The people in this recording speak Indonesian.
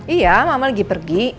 iya mama lagi pergi